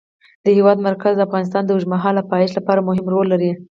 د هېواد مرکز د افغانستان د اوږدمهاله پایښت لپاره مهم رول لري.